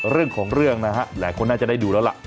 เรื่องของเรื่องนะฮะหลายคนน่าจะได้ดูแล้วล่ะ